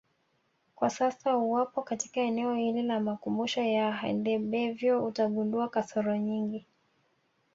Kwa sasa uwapo katika eneo hili la makumbusho ya Handebevyo utagundua kasoro nyingi